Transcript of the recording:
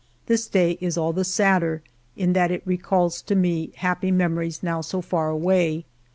This day is all the sadder, in that it re calls to me happy memories now so far away.